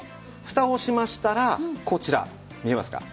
フタをしましたらこちら見えますか？